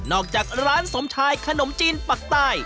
จากร้านสมชายขนมจีนปักใต้